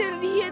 aku udah bangun